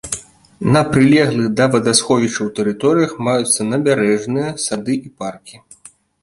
На прылеглых да вадасховішчаў тэрыторыях маюцца набярэжныя, сады і паркі.